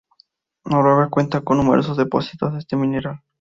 Noruega cuenta con numerosos depósitos de este mineral.